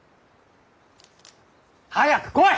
早く来い！